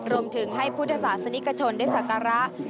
รวมถึงให้พุทธศาสนิกชนได้สักการะ